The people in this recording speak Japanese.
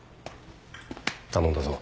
頼んだぞ。